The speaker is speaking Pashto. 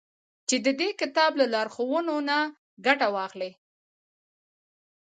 چي د دې كتاب له لارښوونو نه گټه واخلي.